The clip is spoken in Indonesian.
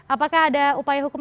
apakah ada upaya hukum